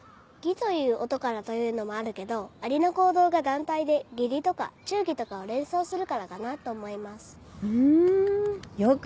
「ギ」という音からというのもあるけどアリの行動が団体で義理とか忠義とかを連想するからかなと思います